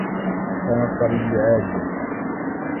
كان الصبي عاريا.